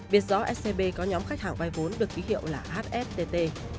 biết rõ scb có nhóm khách hàng vai vốn được ký hiệu là hstt